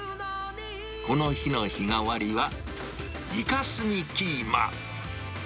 この日の日替わりは、イカスミキーマ。